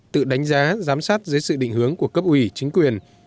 tự đánh giá giám sát dưới sự định hướng của cấp ủy chính quyền